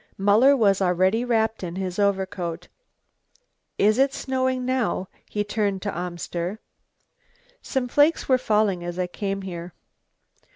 Muller was already wrapped in his overcoat. "Is it snowing now?" He turned to Arnster. "Some flakes were falling as I came here."